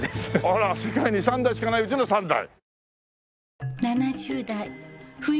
あら世界に３台しかないうちの３台。